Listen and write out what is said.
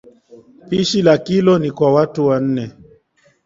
Pishi la kilo ni kwa watu nne